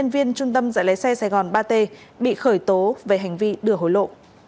nhân viên trung tâm dạy lái xe sài gòn ba t bị khởi tố về hành vi đưa hối lộ